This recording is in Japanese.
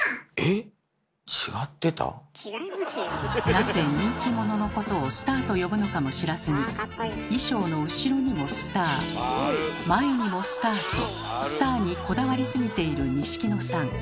なぜ人気者のことをスターと呼ぶのかも知らずに衣装の後ろにもスター前にもスターとスターにこだわりすぎている錦野さん。